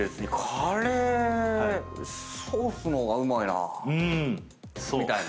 ソースの方がうまいなぁみたいな。